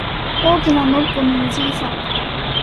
大きなのっぽのおじいさん